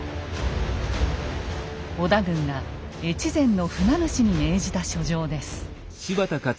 織田軍が越前の船主に命じた書状です。